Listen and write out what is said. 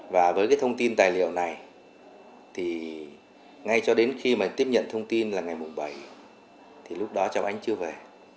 và với cái thông tin tài liệu này thì ngay cho đến khi mà tiếp nhận thông tin là ngày bảy thì lúc đó cháu ánh chưa về